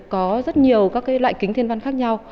có rất nhiều các loại kính thiên văn khác nhau